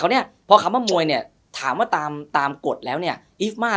เนี้ยพอคำว่ามวยเนี่ยถามว่าตามตามกฎแล้วเนี่ยอีฟมา